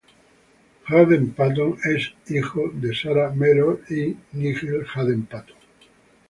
Hadden-Paton es hijo del ex-coronel, Nigel Hadden-Paton y de Sarah Mellor.